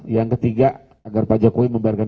yang ketiga agar pak jokowi membiarkan